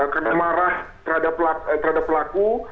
karena marah terhadap pelaku